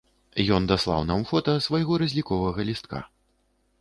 Ён даслаў нам фота свайго разліковага лістка.